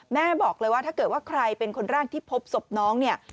แม่บอกเลยว่าถ้าเกิดว่าใครเป็นคนแรกที่พบศพน้องเนี่ย